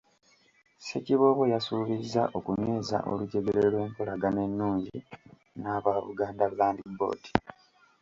Ssekiboobo yasuubizza okunyweza olujegere olw'enkolagana ennungi n’aba Buganda Land Board.